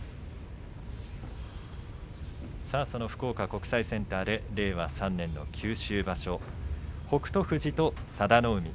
福岡国際センター令和３年の九州場所、北勝富士と佐田の海